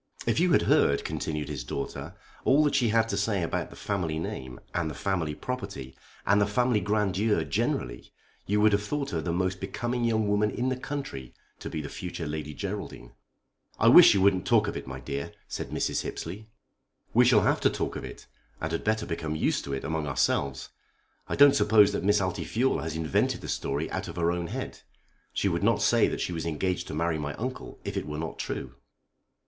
"If you had heard," continued his daughter, "all that she had to say about the family name and the family property, and the family grandeur generally, you would have thought her the most becoming young woman in the country to be the future Lady Geraldine." "I wish you wouldn't talk of it, my dear," said Mrs. Hippesley. "We shall have to talk of it, and had better become used to it among ourselves. I don't suppose that Miss Altifiorla has invented the story out of her own head. She would not say that she was engaged to marry my uncle if it were not true."